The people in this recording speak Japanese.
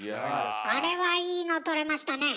あれはいいの撮れましたねえ！